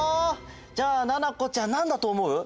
じゃあななこちゃんなんだとおもう？